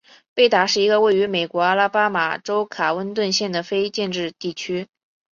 贝达是一个位于美国阿拉巴马州卡温顿县的非建制地区。